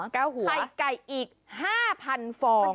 ไข่ไก่อีก๕๐๐ฟอง